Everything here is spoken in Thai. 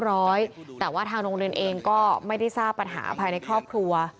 แต่ว่าทางโรงเรียนเองก็ไม่ได้ทราบปัญหาภายในครอบครัว